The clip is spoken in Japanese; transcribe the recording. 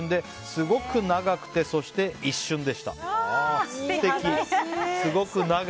すごく長くてそして一瞬でしたと。